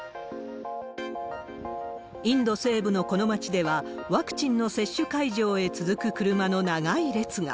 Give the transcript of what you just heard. インド西部のこの町では、ワクチンの接種会場へ続く車の長い列が。